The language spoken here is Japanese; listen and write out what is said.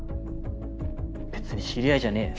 別に知り合いじゃねぇよ。